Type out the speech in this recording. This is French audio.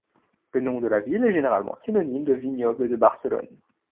Le nom de la ville est généralement synonyme de vignoble de Barcelone.